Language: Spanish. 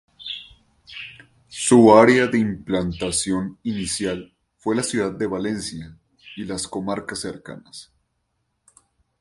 Su área de implantación inicial fue la ciudad de Valencia y las comarcas cercanas.